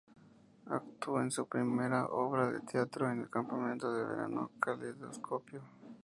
Actuó en su primera obra de teatro en el campamento de verano "Caleidoscopio".